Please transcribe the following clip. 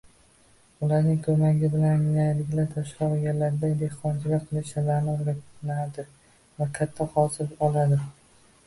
Ularning koʻmagi bilan angliyaliklar toshloq yerlarda dehqonchilik qilish sirlarini oʻrganadi va katta hosil oladi